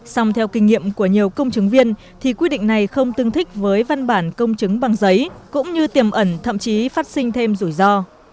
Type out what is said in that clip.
xong theo kinh nghiệm của nhiều công chứng viên thì quy định này không tương thích với văn bản công chứng bằng giấy cũng như tiềm ẩn thậm chí phát sinh thêm rủi ro